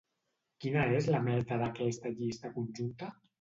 Quina és la meta d'aquesta llista conjunta?